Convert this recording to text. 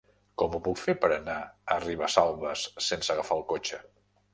Com ho puc fer per anar a Ribesalbes sense agafar el cotxe?